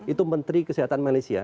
itu menteri kesehatan malaysia